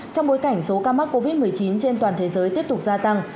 trong bối cảnh số ca mắc covid một mươi chín trên toàn thế giới tiếp tục gia tăng